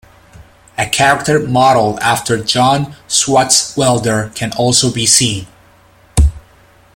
A character modeled after John Swartzwelder can also be seen.